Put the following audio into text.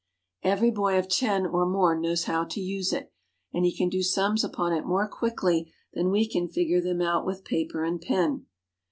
Every boy of ten or more knows how to use it ; and he can do sums upon it more quickly than we can figure them out with paper and pen.